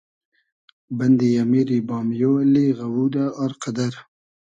بئندی امیری بامیۉ اللی غئوودۂ ، آر قئدئر